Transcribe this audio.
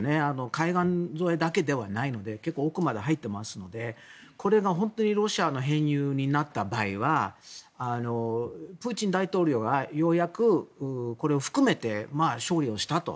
海岸沿いだけではないので結構、奥まで入っていますのでこれが本当にロシアの編入になった場合はプーチン大統領がようやくこれを含めて勝利をしたと。